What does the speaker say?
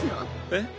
えっ？